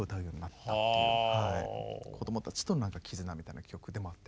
こどもたちとの絆みたいな曲でもあって。